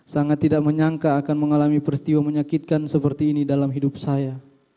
sangat tidak menyangka akan mengalami peristiwa menyakitkan seperti ini dalam hidup saya